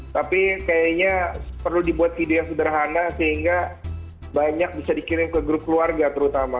tapi kayaknya perlu dibuat video yang sederhana sehingga banyak bisa dikirim ke grup keluarga terutama